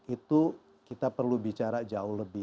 itu kita perlu bicara jauh lebih